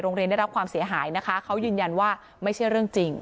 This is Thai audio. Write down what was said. ได้รับความเสียหายนะคะเขายืนยันว่าไม่ใช่เรื่องจริง